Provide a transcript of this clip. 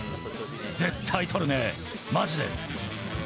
絶対取るね、まじで。